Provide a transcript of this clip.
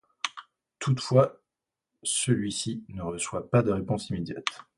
Toutefois, celui-ci ne reçoit pas de réponse immédiate.